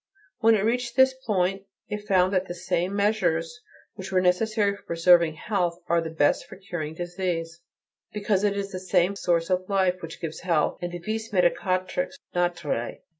When it reached this point it found that the same measures which are necessary for preserving health are the best for curing disease; because it is the same source of life which gives health and the vis medicatrix naturae.